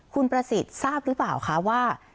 คุณประสิทธิ์ทราบหรือเปล่าคะว่า